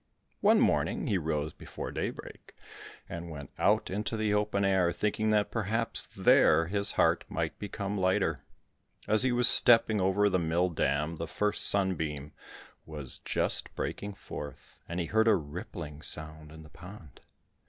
One morning he rose before daybreak and went out into the open air, thinking that perhaps there his heart might become lighter. As he was stepping over the mill dam the first sunbeam was just breaking forth, and he heard a rippling sound in the pond.